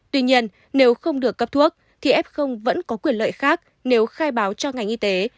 tuy nhiên nếu không được cấp thuốc thì f vẫn có quyền lợi khác nếu khai báo cho ngành y tế